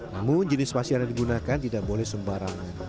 namun jenis pasir yang digunakan tidak boleh sembarangan